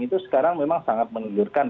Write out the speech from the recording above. itu sekarang memang sangat menundurkan